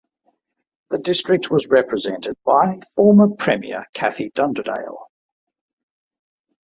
The district was represented by former premier Kathy Dunderdale.